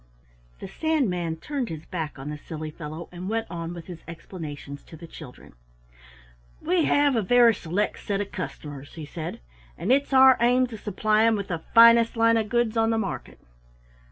The Sandman turned his back on the silly fellow, and went on with his explanations to the children: "We have a very select set of customers," he said, "and it's our aim to supply 'em with the finest line of goods on the market.